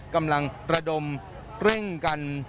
กำลังระดมเร่งกัน